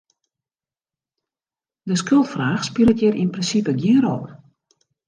De skuldfraach spilet hjir yn prinsipe gjin rol.